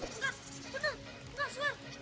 tidak tidak tidak suar